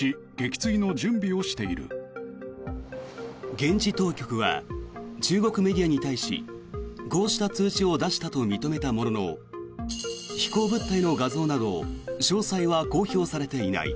現地当局は中国メディアに対しこうした通知を出したと認めたものの飛行物体の画像など詳細は公表されていない。